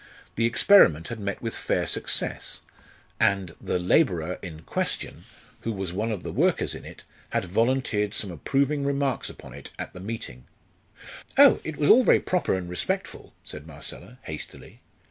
The experiment had met with fair success, and the labourer in question, who was one of the workers in it, had volunteered some approving remarks upon it at the meeting. "Oh! it was very proper and respectful!" said Marcella, hastily.